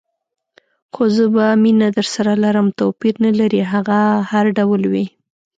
خو زه به مینه درسره لرم، توپیر نه لري هغه هر ډول وي.